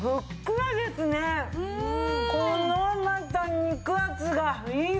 このまた肉厚がいい事。